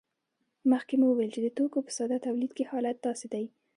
مخکې مو وویل چې د توکو په ساده تولید کې حالت داسې دی